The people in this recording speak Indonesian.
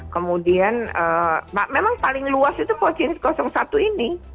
kemudian memang paling luas itu posisi satu ini